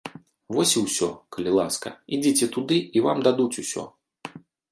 Вось і ўсё, калі ласка, ідзіце туды і вам дадуць усё!